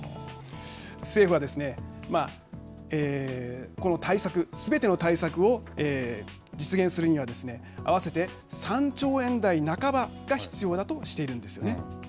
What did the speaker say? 政府はですねこの対策、すべての対策を実現するにはですね、合わせて３兆円台半ばが必要だとしているんですね。